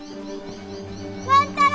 万太郎！